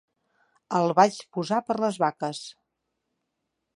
El vaig posar per les vaques.